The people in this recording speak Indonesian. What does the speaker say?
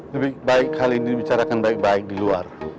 lebih baik hal ini dibicarakan baik baik di luar